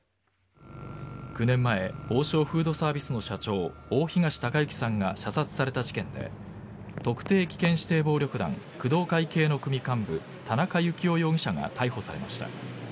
９年前王将フードサービスの社長大東隆行さんが射殺された事件で特定危険指定暴力団工藤会系の組幹部田中幸雄容疑者が逮捕されました。